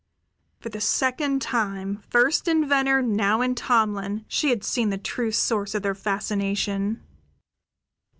For the second time, first in Venner, now in Tomlin, she had seen the true source of their fascination.